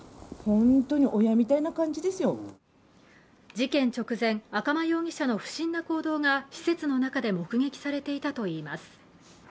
事件直前、赤間容疑者の不審な行動が施設の中で目撃されていたといいます。